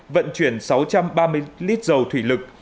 vận chuyển sáu trăm ba mươi lít dầu thủy lực